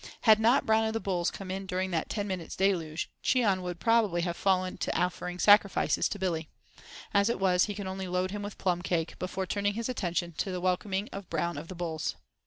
Had not Brown of the Bulls come in during that ten minutes' deluge, Cheon would probably have fallen to offering sacrifices to Billy. As it was, he could only load him with plum cake, before turning his attention to the welcoming of Brown of the Bulls.